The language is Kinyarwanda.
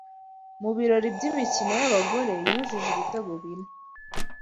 mu birori by'imikino y'abagore yujuje ibitego bine